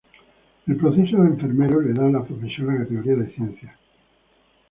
El proceso enfermero le da a la profesión la categoría de ciencia.